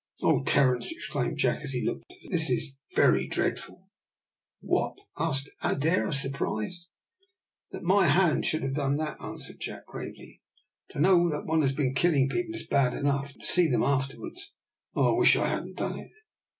"Oh, Terence," exclaimed Jack, as he looked at them, "this is very dreadful!" "What?" asked Adair, surprised. "That my hand should have done that," answered Jack, gravely; "to know that one has been killing people is bad enough, but to see them afterwards oh, I wish that I hadn't done it!"